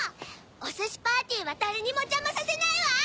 おすしパーティーはだれにもジャマさせないわ！